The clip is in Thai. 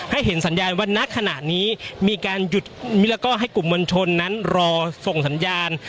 เห็นสัญญาณว่าณขณะนี้มีการหยุดแล้วก็ให้กลุ่มมวลชนนั้นรอส่งสัญญาณ